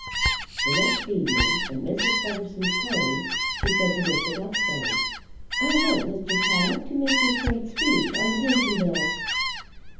The next evening at Mrs. Gloverson's party, she said to Mr. Buckstone: "I want Mr. Trollop to make his great speech on the Pension bill."